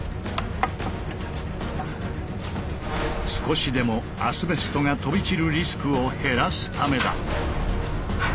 少しでもアスベストが飛び散るリスクを減らすためだ。